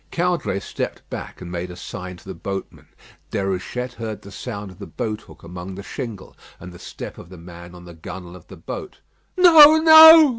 Caudray stepped back, and made a sign to the boatman. Déruchette heard the sound of the boat hook among the shingle, and the step of the man on the gunwale of the boat. "No! no!"